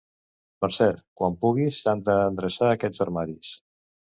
Per cert, quan puguis, s'han d'endreçar aquests armaris.